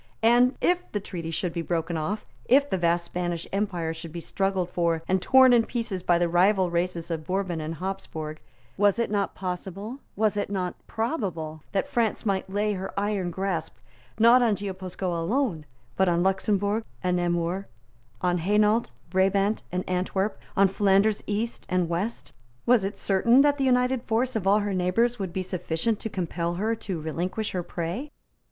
And, if the Treaty should be broken off, if the vast Spanish empire should be struggled for and torn in pieces by the rival races of Bourbon and Habsburg, was it not possible, was it not probable, that France might lay her iron grasp, not on Guipuscoa alone, but on Luxemburg and Namur, on Hainault, Brabant and Antwerp, on Flanders East and West? Was it certain that the united force of all her neighbours would be sufficient to compel her to relinquish her prey?